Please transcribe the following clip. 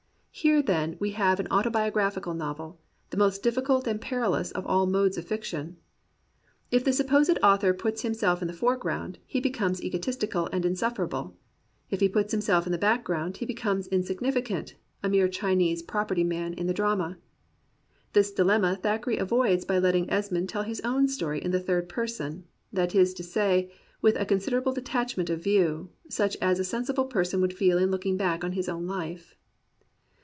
Here, then, we have an autobiographical novel, the most diffi cult and perilous of all modes of fiction. If the supposed author puts himself in the foreground, he becomes egotistical and insufferable; if he puts himself in the background, he becomes insignificant, a mere Chinese "property man" in the drama. This dilemma Thackeray avoids by letting Esmond tell his own story in the third person — that is to say, with a certain detachment of view, such as a sensible person would feel in looking back on his own life.